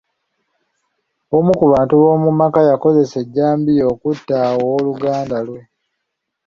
Omu ku bantu b'omu maka yakozesa ejjambiya okutta owooluganda lwe.